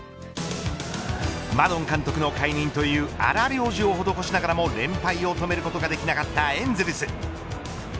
マドン監督の解任という荒療治を施しながらも連敗を止めることができなかったエンゼルス。